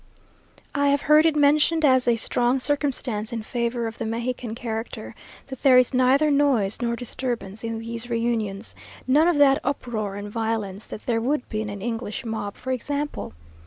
I have heard it mentioned as a strong circumstance in favour of the Mexican character, that there is neither noise nor disturbance in these reunions; none of that uproar and violence that there would be in an English mob, for example.